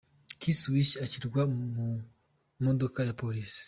K-Swiss ashyirwa mu modoka ya Polisi.